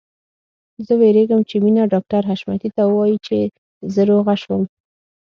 زه وېرېږم چې مينه ډاکټر حشمتي ته ووايي چې زه روغه شوم